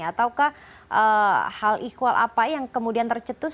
ataukah hal ikhwal apa yang kemudian tercetus